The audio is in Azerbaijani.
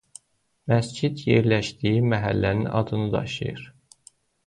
Məscid yerləşdiyi məhəllənin adını daşıyır.